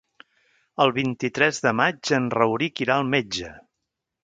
El vint-i-tres de maig en Rauric irà al metge.